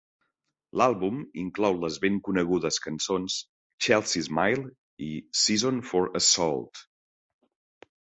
L'àlbum inclou les ben conegudes cançons "Chelsea Smile" i "Season For Assault".